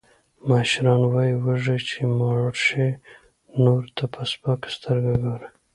مشران وایي: وږی چې موړ شي، نورو ته په سپکه سترګه ګوري.